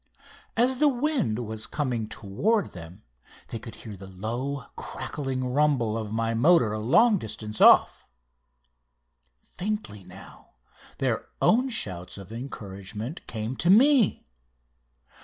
As the wind was coming toward them they could hear the low, crackling rumble of my motor a long distance off. Faintly, now, their own shouts of encouragement came to me.